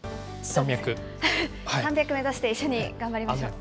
山脈目指して一緒に頑張りましょう。